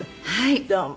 どうも。